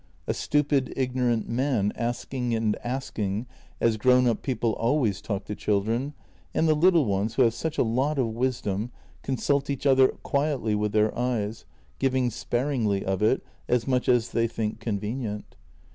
A stupid, ignorant man asking and asking, as grown up people always talk to children, and the little ones, who have such a lot of wisdom, consult each other quietly with their eyes, giving sparingly of it — as much as they think convenient.